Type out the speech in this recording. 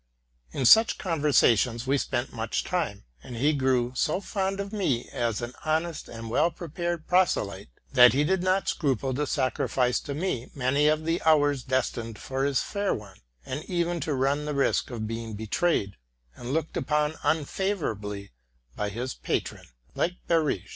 In such conversations we spent much time ; and he grew so fond of me as an honest and well prepared proselyte, that he did not scruple to sacrifice to me many of the hours destined for his fair one, and even to run the risk of being betrayed and looked upon unfavorably by his patron, like Bebrisch.